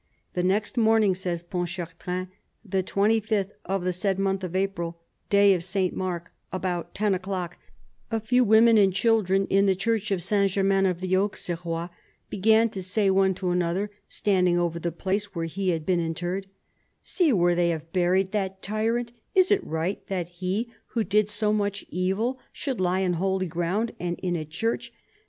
The next morning," says Pontchar train, " the 25th of the said month of April, day of Saint Mark, about ten o'clock, a few women and children, in the Church of Saint Germain of the Auxerrois, began to say one to another, standing over the place where he had been in terred :' See where they have buried that tyrant : is it right that he, who did so much evil, should lie in holy ground and in a church